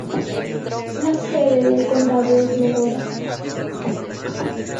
La sede del condado es Medora.